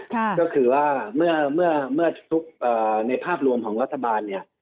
ก็คือว่าเมื่อทุกในภาพรวมของรัฐบาลเนี่ย